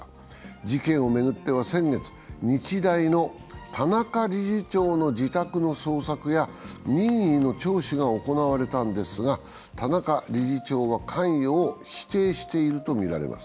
事件を巡っては先月、日大の田中理事長の自宅の捜索や任意の聴取が行われたんですが、田中理事長は関与を否定しているとみられます。